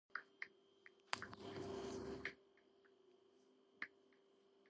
მეომარი ტყვედ ჩავარდა.